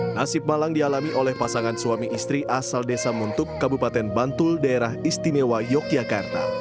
nasib malang dialami oleh pasangan suami istri asal desa muntuk kabupaten bantul daerah istimewa yogyakarta